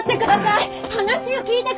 話を聞いてください！